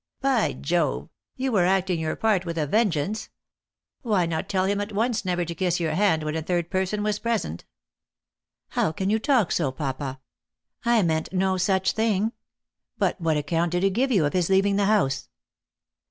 " By Jove ! you were acting your part with a ven geance! Why not tell him, at once, never to kiss your hand when a third person was present ?"" How can you talk so, papa? I meant no such thing. But what account did he give of his leaving the house